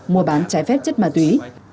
mua bán trái phép chất ma túy